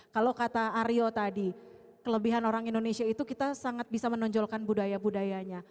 kalau kata aryo tadi kelebihan orang indonesia itu kita sangat bisa menonjolkan budaya budayanya